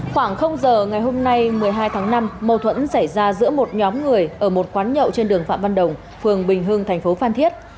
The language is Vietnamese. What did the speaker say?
khoảng giờ ngày hôm nay một mươi hai tháng năm mâu thuẫn xảy ra giữa một nhóm người ở một quán nhậu trên đường phạm văn đồng phường bình hưng thành phố phan thiết